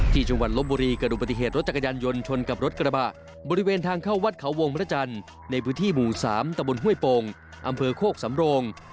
จังหวัดลบบุรีเกิดดูปฏิเหตุรถจักรยานยนต์ชนกับรถกระบะบริเวณทางเข้าวัดเขาวงพระจันทร์ในพื้นที่หมู่๓ตะบนห้วยโป่งอำเภอโคกสำโรง